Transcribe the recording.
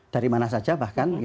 dari mana saja bahkan